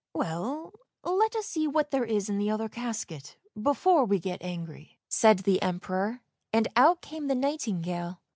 "" Well, let us see what there is in the other casket, before we get angry," said the Emperor, and out came the nightingale.